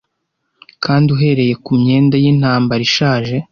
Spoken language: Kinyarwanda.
kandi uhereye kumyenda yintambara ishaje